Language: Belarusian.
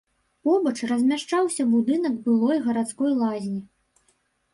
Побач размяшчаўся будынак былой гарадской лазні.